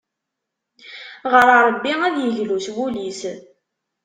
Ɣer Ṛebbi ad yeglu s wul-is.